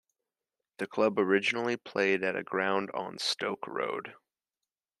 The club originally played at a ground on Stoke Road.